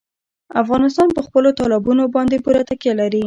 افغانستان په خپلو تالابونو باندې پوره تکیه لري.